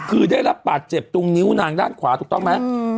คือได้รับบาดเจ็บตรงนิ้วนางด้านขวาถูกต้องไหม